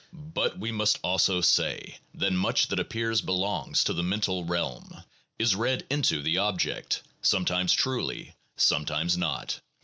But we must also say that much that appears belongs to the mental realm, is read into the object, sometimes truly, sometimes not.